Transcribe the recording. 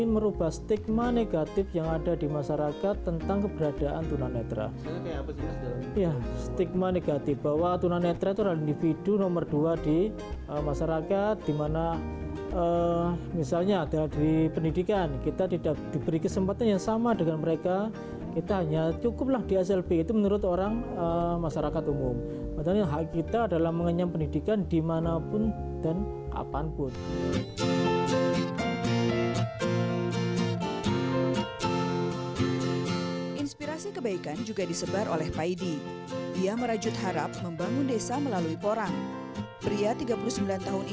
masih banyak veteran veteran yang mungkin masih belum mendapatkan perhatian semacam itu